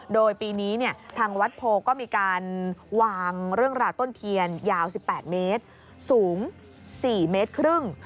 โดยปีนี้ทางวัดโพก็มีการวางเรื่องราวต้นเทียนยาว๑๘เมตรสูง๔เมตรครึ่ง